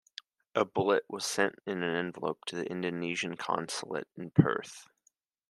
A bullet was sent in an envelope to the Indonesia consulate in Perth.